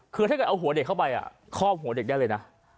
คลอบหัวเด็กได้เลยนะ